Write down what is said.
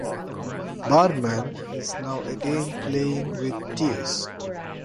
Barman is now again playing with Deus.